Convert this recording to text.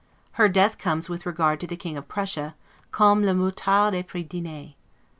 Her death comes with regard to the King of Prussia, 'comme la moutarde apres diner'.